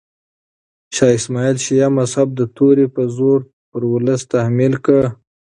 شاه اسماعیل شیعه مذهب د تورې په زور پر ولس تحمیل کړ.